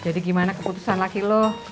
jadi gimana keputusan laki lo